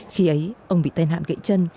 khi ấy ông bị tai nạn gậy chân